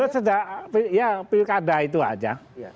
sejak ya pilkada itu aja